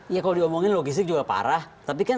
ya kalau diomongin logistik juga parah tapi kan